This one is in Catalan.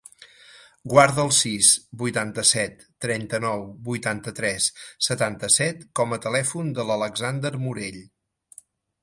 Guarda el sis, vuitanta-set, trenta-nou, vuitanta-tres, setanta-set com a telèfon de l'Alexander Morell.